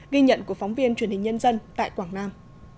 ghi nhận của phóng viên truyền hình nhân dân tại quảng nam